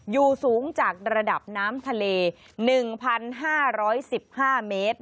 อยู่สูงจากระดับน้ำทะเล๑๕๑๕เมตร